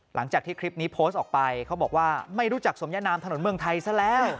หลังจากที่คลิปนี้โพสต์ออกไปเขาบอกว่าไม่รู้จักสมยนามถนนเมืองไทยซะแล้ว